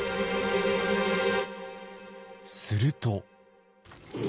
すると。